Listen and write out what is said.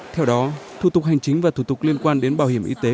theo đó thủ tục hành chính và thủ tục liên quan đến bảo hiểm y tế